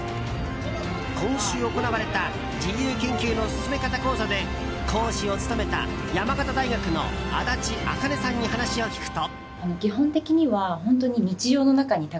今週行われた自由研究の進め方講座で講師を務めた、山形大学の安達茜さんに話を聞くと。